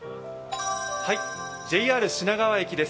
ＪＲ品川駅です。